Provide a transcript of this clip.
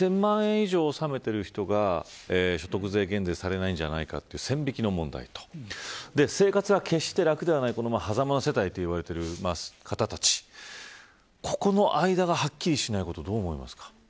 以上納めている人が所得税減税されないんじゃないかという線引きの問題と生活は決して楽ではない狭間の世帯と言われているそういった人たちここの間がはっきりしない